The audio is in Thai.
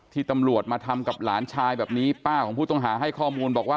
ที่ตำรวจมาทำกับหลานชายแบบนี้ป้าของผู้ต้องหาให้ข้อมูลบอกว่า